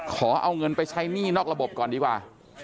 ขอเอาเงินไปใช้หนี้นอกระบบก่อนดีกว่า